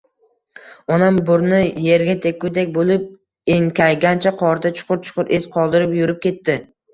Onam burni yerga tekkudek bo‘lib enkaygancha qorda chuqur-chuqur iz qoldirib yurib ketdi.